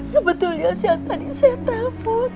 sebetulnya siang tadi saya telpon